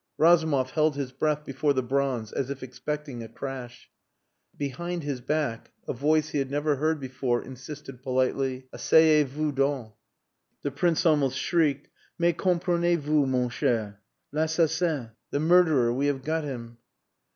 Razumov held his breath before the bronze as if expecting a crash. Behind his back a voice he had never heard before insisted politely "Asseyez vous donc." The Prince almost shrieked, "Mais comprenez vous, mon cher! L'assassin! the murderer we have got him...."